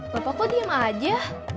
bapak kok diem aja